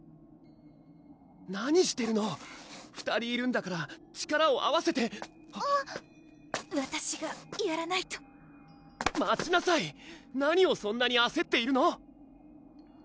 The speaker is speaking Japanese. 何してるの２人いるんだから力を合わせてわたしがやらないと待ちなさい何をそんなにあせっているの？